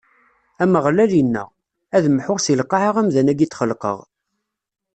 Ameɣlal inna: Ad mḥuɣ si lqaɛa amdan-agi i d-xelqeɣ.